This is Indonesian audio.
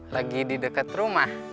lagi di deket rumah